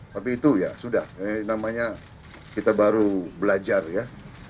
tapi itu ya sudah ini namanya kita baru belajar ya